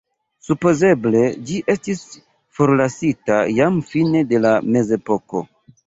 Supozeble ĝi estis forlasita jam fine de la mezepoko.